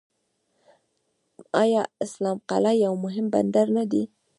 آیا اسلام قلعه یو مهم بندر نه دی؟